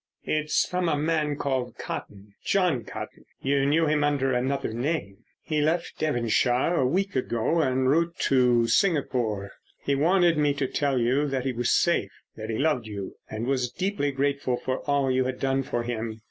"It's from a man called Cotton, John Cotton. You knew him under another name. He left Devonshire a week ago en route for Singapore. He wanted me to tell you that he was safe, that he loved you, and was deeply grateful for all you had done for him."